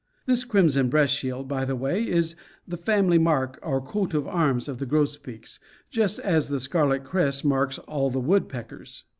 This crimson breast shield, by the way, is the family mark or coat of arms of the grosbeaks, just as the scarlet crest marks all the woodpeckers.